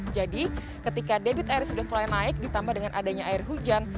jadi ketika debit air sudah mulai naik ditambah dengan adanya air hujan